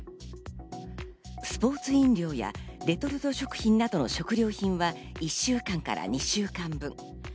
スポーツ飲料やレトルト食品などの食品は１週間から２週間分。